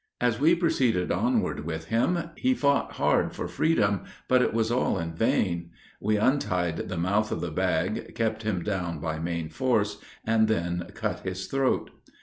As we proceeded onward with him, he fought hard for freedom, but it was all in vain. We untied the mouth of the bag, kept him down by main force, and then cut his throat.